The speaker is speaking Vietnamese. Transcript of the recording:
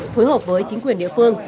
phối hợp với chính quyền địa phương